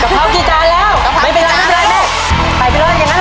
กะเพรากี้จานแล้วไม่เป็นไรไม่เป็นไรแม่